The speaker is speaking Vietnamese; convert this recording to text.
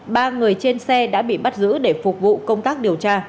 ba người trên xe đã bị bắt giữ để phục vụ công tác điều tra